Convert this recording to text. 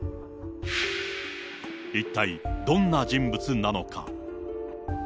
一体どんな人物なのか。